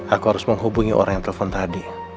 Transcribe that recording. aku harus menghubungi orang yang telepon tadi